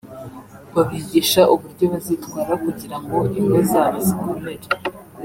babigisha uburyo bazitwara kugira ngo ingo zabo zikomere